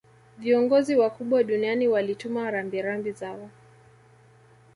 Viongozi wakubwa duniani walituma rambirambi zao